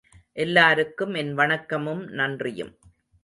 எல்லாருக்கும் என் வணக்கமும் நன்றியும்.